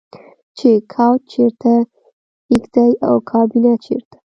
چې کوچ چیرته کیږدئ او کابینه چیرته